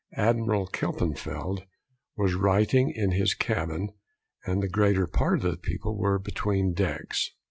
Admiral Kempenfeldt was writing in his cabin, and the greater part of the people were between decks.